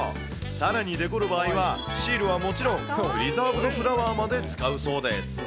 さらに、デコる場合は、シールはもちろん、プリザーブドフラワーまで使うそうです。